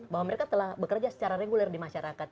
bahwa mereka telah bekerja secara reguler di masyarakat